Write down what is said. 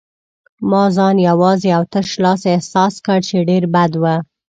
ما ځان یوازې او تش لاس احساس کړ، چې ډېر بد و.